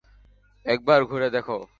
একবার ঘুরে দেখো।